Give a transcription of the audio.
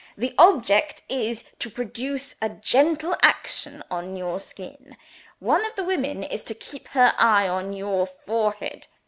The object is to produce a gentle action on your skin. One of the women is to keep her eye on your forehead.